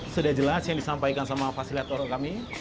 sudah jelas yang disampaikan sama fasilitator kami